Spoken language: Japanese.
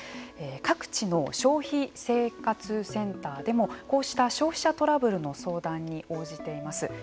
各地の消費生活センターでもこうした消費者トラブルの相談に応じています。